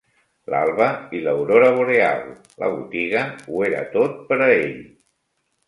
L'alba i l'aurora boreal; la botiga ho era tot pera ell.